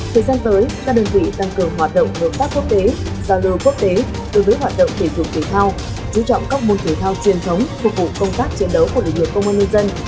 thời gian tới các đơn vị tăng cường hoạt động hợp tác quốc tế giao lưu quốc tế đối với hoạt động thể dục thể thao chú trọng các môn thể thao truyền thống phục vụ công tác chiến đấu của lực lượng công an nhân dân